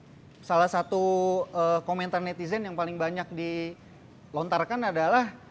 karena salah satu komentar netizen yang paling banyak dilontarkan adalah